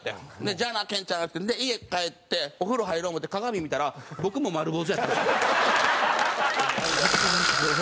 「じゃあなケンちゃん」っつって家帰ってお風呂入ろう思って鏡見たら僕も丸坊主やったんですよ。